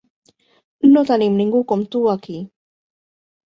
No tenim ningú com tu aquí.